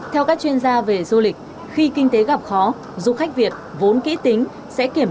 theo các chuyên gia về du lịch khi kinh tế gặp khó du khách việt vốn kỹ tính sẽ kiểm